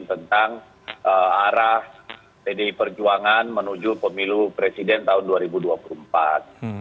tentang arah pdi perjuangan menuju pemilu presiden tahun dua ribu dua puluh empat